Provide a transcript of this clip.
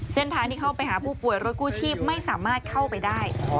เส้นทางที่เข้าไปหาผู้ป่วยรถกู้ชีพไม่สามารถเข้าไปได้